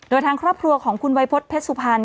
โดยทางครอบครัวของคุณวัยพฤษเพชรสุพรรณ